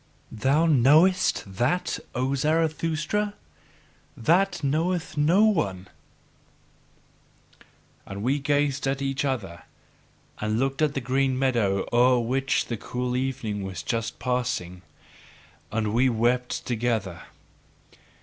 "Thou KNOWEST that, O Zarathustra? That knoweth no one " And we gazed at each other, and looked at the green meadow o'er which the cool evening was just passing, and we wept together.